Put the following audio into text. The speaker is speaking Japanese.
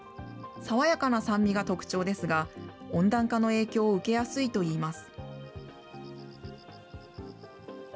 爽やかな酸味が特徴ですが、温暖化の影響を受けやすいといいます。